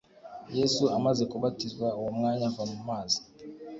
Yesu amaze kubatizwa uwo mwanya ava mu mazi,